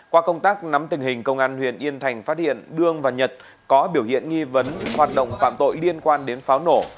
qua công tác nắm tình hình công an huyện yên thành phát hiện đương và nhật có biểu hiện nghi vấn hoạt động phạm tội liên quan đến pháo nổ